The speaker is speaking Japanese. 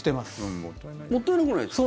もったいなくないですか？